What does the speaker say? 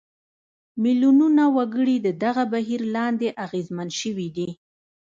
میلیونونه وګړي د دغه بهیر لاندې اغېزمن شوي دي.